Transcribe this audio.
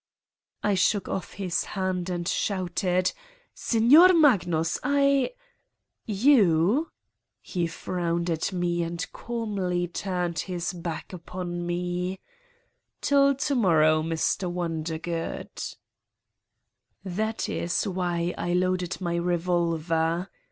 I shook off his hand and shouted: " Signor Magnus ! I ..." "You!"' he frowned at me and calmly turned 206 Satan's Diary his back upon me :'' Till to morrow, Mr. Wonder good!" That is why I loaded my revolver.